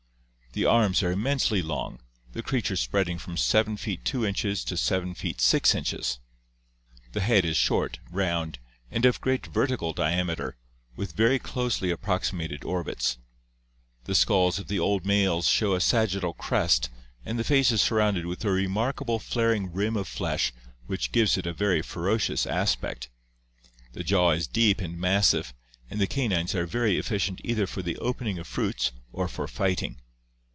The arms are immensely long, the creature spreading from 7 feet 2 inches to 7 feet 6 inches. The head is short, round, and of great vertical diameter, with very closely approxi mated orbits. The skulls of the old males show a sagittal crest and the face is surrounded with a remarkable flaring rim of flesh which gives it a very ferocious aspect. The jaw is deep and mas sive, and the canines are very efficient either for the opening of fruits or for fighting.